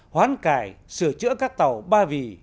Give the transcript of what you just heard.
hoán cải sửa chữa các tàu ba vì